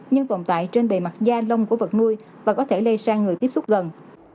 nhưng tồn tại trên bề mặt da lông của vật nuôi và có thể lây sang người tiếp xúc gần